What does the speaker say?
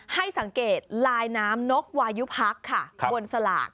ให้สังเกตลายน้ำนกวายุพักค่ะบนสลาก